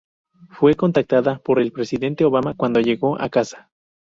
Fue contactada por el presidente Obama cuando llegó a casa.